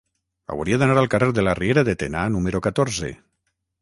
Hauria d'anar al carrer de la Riera de Tena número catorze.